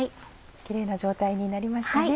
キレイな状態になりましたね。